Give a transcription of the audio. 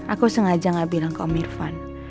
aku sengaja gak bilang ke om irvan